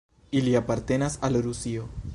Ili apartenas al Rusio.